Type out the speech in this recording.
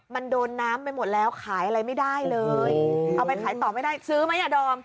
มันโดนน้ำไปหมดแล้วขายอะไรไม่ได้เลยเอาไปขายต่อไม่ได้ซื้อไหมอ่ะดอม